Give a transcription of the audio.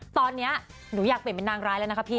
ตอนนี้หนูอยากเปลี่ยนเป็นนางร้ายแล้วนะคะพี่